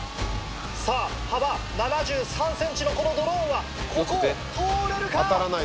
さぁ幅７３ｃｍのこのドローンはここを通れるか？